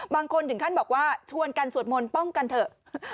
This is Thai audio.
บางคนถึงขั้นบอกว่าชวนกันสวดมนต์ป้องกันเถอะ